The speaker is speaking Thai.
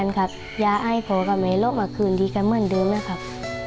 กันครับอย่าให้โผล่กับไหมโลกมาคืนดีกันเมื่อเดือนนะครับ